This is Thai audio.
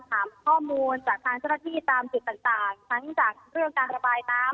ถามข้อมูลจากทางเจ้าหน้าที่ตามจุดต่างทั้งจากเรื่องการระบายน้ำ